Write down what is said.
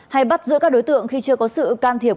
hay bắt giữ các đối tượng khi chưa có sự can thiệp